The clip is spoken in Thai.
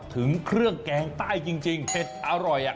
ถึงเครื่องแกงใต้จริงเผ็ดอร่อย